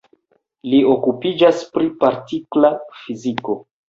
Li okupiĝas pri partikla fiziko.